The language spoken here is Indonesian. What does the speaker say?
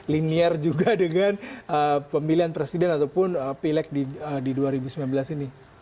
linear juga dengan pemilihan presiden ataupun pileg di dua ribu sembilan belas ini